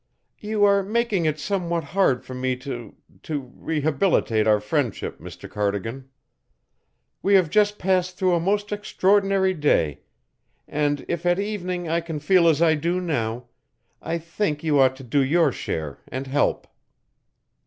"You are making it somewhat hard for me to to rehabilitate our friendship, Mr. Cardigan. We have just passed through a most extraordinary day, and if at evening I can feel as I do now, I think you ought to do your share and help."